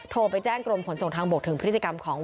โทรไปแจ้งกรมขนส่งทางบกถึงพฤติกรรมของ